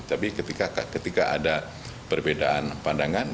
tapi ketika ada perbedaan pandangan